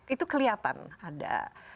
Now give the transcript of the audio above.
itu kelihatan ada